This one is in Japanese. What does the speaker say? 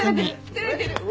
照れてる。